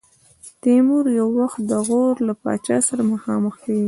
تیمور یو وخت د غور له پاچا سره مخامخ کېږي.